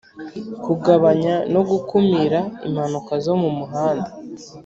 kugabanya no gukumira impanuka zo mu muhanda